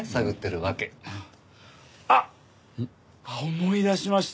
思い出しました。